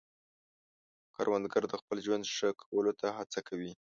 کروندګر د خپل ژوند ښه کولو ته هڅه کوي